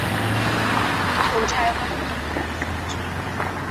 邮差温勇男殉职。